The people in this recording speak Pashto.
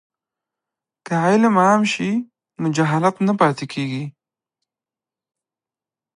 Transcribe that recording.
که علم عام شي نو جهالت نه پاتې کیږي.